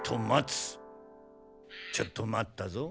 ちょっと待ったぞ。